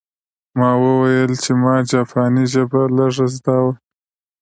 ما وویل چې ما جاپاني ژبه لږه زده وه